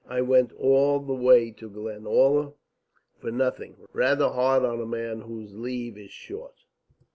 I went all the way to Glenalla for nothing. Rather hard on a man whose leave is short!"